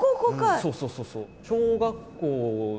そうそうそうそう。